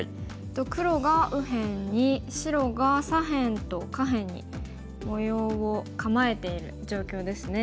黒が右辺に白が左辺と下辺に模様を構えている状況ですね。